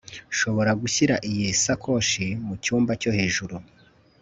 nshobora gushyira iyi sakoshi mucyumba cyo hejuru